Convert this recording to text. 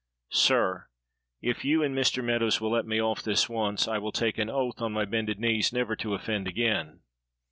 Sir, if you and Mr. Meadows will let me off this once, I will take an oath on my bended knees never to offend again."